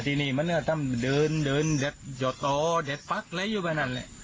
แต่ทีนี้มันก็ต้ำเดินเดินเด็ดหยดต่อเด็ดปั๊กอะไรอยู่ไปนั่นเลย